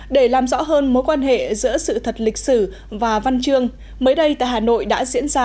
để làm rõ hơn mối quan hệ giữa sự thật lịch sử và văn chương mới đây tại hà nội đã diễn ra